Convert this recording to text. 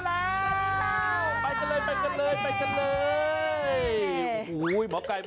สวัสดีครับ